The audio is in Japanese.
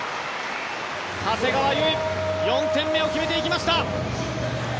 長谷川唯４点目を決めていきました。